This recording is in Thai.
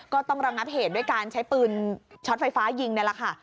ก็ต้องระงับเหตุด้วยการใช้ปืนช็อตไฟฟ้ายิงนี่แหละค่ะ